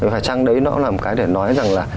phải chăng đấy nó là một cái để nói rằng là